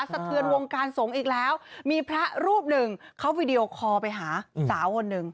สะเทือนวงการสงฆ์อีกแล้วมีพระรูปหนึ่งเขาวีดีโอคอลไปหาสาวคนหนึ่ง